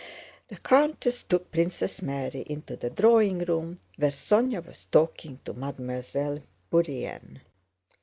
The countess took Princess Mary into the drawing room, where Sónya was talking to Mademoiselle Bourienne.